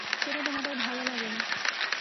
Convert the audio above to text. সেটা তোমাদের ভালো লাগে নি।